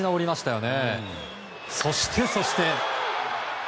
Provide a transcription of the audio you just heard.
そして、そして。